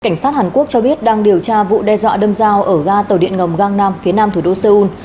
cảnh sát hàn quốc cho biết đang điều tra vụ đe dọa đâm giao ở ga tàu điện ngầm gangnam phía nam thủ đô seoul